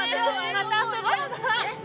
また遊ぼ。